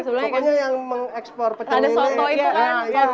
pokoknya yang mengekspor pecah pecah